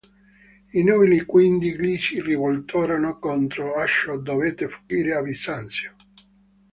I nobili quindi gli si rivoltarono contro e Ashot dovette fuggire a Bisanzio.